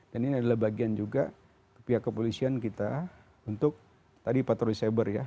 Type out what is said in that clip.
dan ini adalah bagian juga pihak kepolisian kita untuk tadi patroli cyber ya